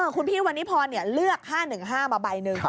คุณพี่วันนี้พรเลือก๕๑๕มาใบหนึ่ง